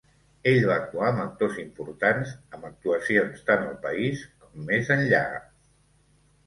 Ell va actuar amb actors importants, amb actuacions tant al país com més enllà.